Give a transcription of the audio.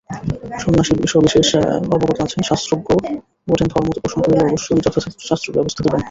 সন্ন্যাসী সবিশেষ অবগত আছেন, শাস্ত্রজ্ঞও বটেন, ধর্মত প্রশ্ন করিলে অবশ্যই যথাশাস্ত্র ব্যবস্থা দিবেন।